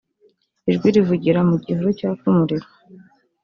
ijwi rivugira mu gihuru cyaka umuriro